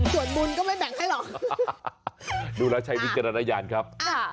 ส่วนบุญก็ไม่แบ่งให้หรอกดูแล้วใช้วิจารณญาณครับ